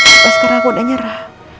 apakah sekarang aku udah nyerah